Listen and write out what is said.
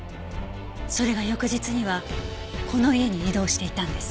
それが翌日にはこの家に移動していたんです。